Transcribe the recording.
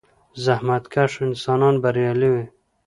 • زحمتکش انسان بریالی وي.